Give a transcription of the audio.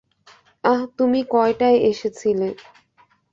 আহ, তুমি কয়টায় এসেছিলে?